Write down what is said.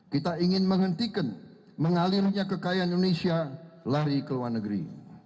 kita ingin menghentikan mengalirnya kekayaan indonesia lari ke luar negeri